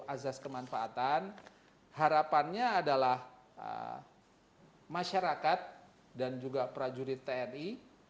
azas kemanfaatan harapannya adalah masyarakat dan juga prajurit tni